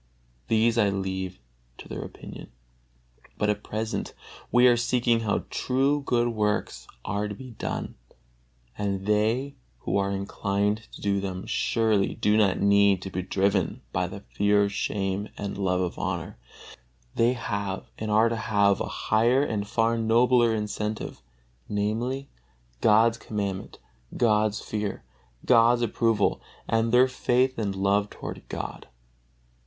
These I leave to their opinion. But at present we are seeking how true good works are to be done, and they who are inclined to do them surely do not need to be driven by the fear of shame and the love of honor; they have, and are to have a higher and far nobler incentive, namely, God's commandment, God's fear, God's approval, and their faith and love toward God.